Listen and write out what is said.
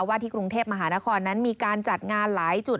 ที่กรุงเทพมหานครนั้นมีการจัดงานหลายจุด